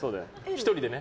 １人でね。